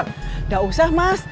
nggak usah mas